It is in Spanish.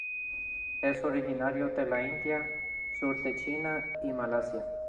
Es originario de la India, sur de China y Malasia.